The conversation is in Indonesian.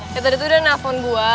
ya tadi tuh udah nelpon gue